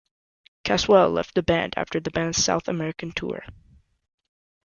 Casswell left the band after the band's South American tour.